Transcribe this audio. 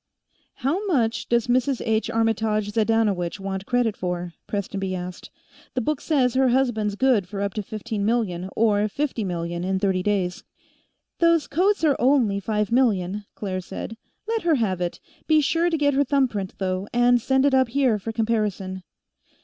"How much does Mrs. H. Armytage Zydanowycz want credit for?" Prestonby asked. "The book says her husband's good for up to fifteen million, or fifty million in thirty days." "Those coats are only five million," Claire said. "Let her have it; be sure to get her thumbprint, though, and send it up here for comparison."